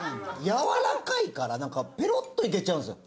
やわらかいからなんかペロッといけちゃうんですよ